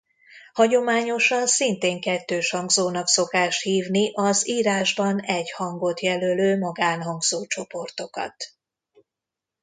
Hagyományosan szintén kettőshangzónak szokás hívni az írásban egy hangot jelölő magánhangzó-csoportokat.